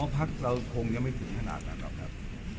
พักเราคงยังไม่ถึงขนาดนั้นหรอกครับ